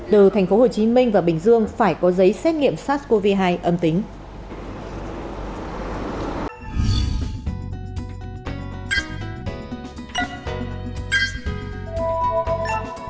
từ tp hcm và bình dương phải có giấy xét nghiệm sars cov hai âm tính